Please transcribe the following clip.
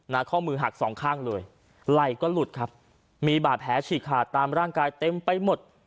ข้อมือหักสองข้างเลยไหล่ก็หลุดครับมีบาดแผลฉีกขาดตามร่างกายเต็มไปหมด